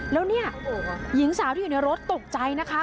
แล้วเนี่ยหญิงสาวที่อยู่ในรถตกใจนะคะ